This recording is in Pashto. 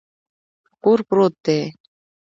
په کور پروت دی.